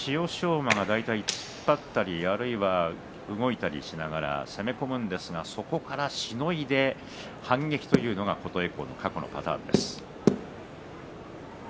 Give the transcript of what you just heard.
馬は大体突っ張ったりあるいは動いたりしながら攻め込みますがそこからしのいで反撃というのが琴恵光の過去のパターンです。